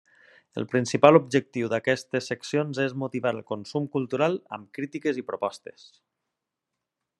El principal objectiu d'aquestes seccions és motivar el consum cultural amb crítiques i propostes.